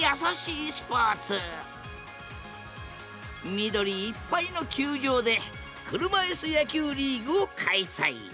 緑いっぱいの球場で車いす野球リーグを開催。